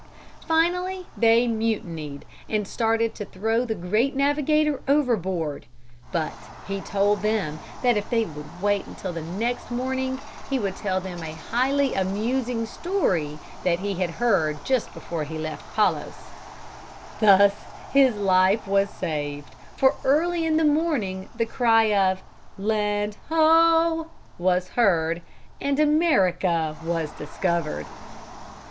Finally they mutinied, and started to throw the great navigator overboard, but he told them that if they would wait until the next morning he would tell them a highly amusing story that he heard just before he left Palos. Thus his life was saved, for early in the morning the cry of "Land ho!" was heard, and America was discovered.